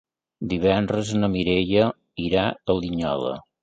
Divendres na Mireia irà a Linyola.